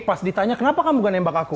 pas ditanya kenapa kamu bukan nembak aku